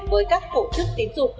với các tổ chức tín dụng